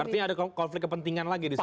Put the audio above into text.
artinya ada konflik kepentingan lagi disitu